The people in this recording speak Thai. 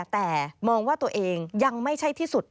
แต่มองว่าตัวเองยังไม่ใช่ที่สุด